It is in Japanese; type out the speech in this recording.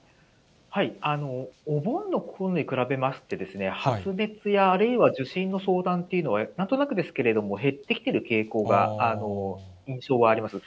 お盆のころに比べまして、発熱や、あるいは受診の相談というのは、なんとなくですけれども減ってきてる傾向が、印象があります。